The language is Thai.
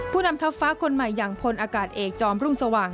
นำทัพฟ้าคนใหม่อย่างพลอากาศเอกจอมรุ่งสว่าง